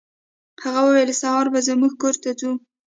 هغه وویل سهار به زموږ کور ته ځو.